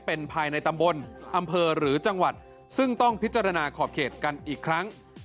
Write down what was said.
เป็นภายในตำบลอำเภอหรือจังหวัดซึ่งต้องพิจารณาขอบเขตกันอีกครั้ง